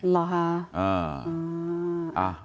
หรอค่ะอืม